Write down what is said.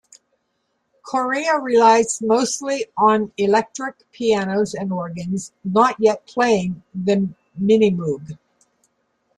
Corea relies mostly on electric pianos and organs, not yet playing the Minimoog.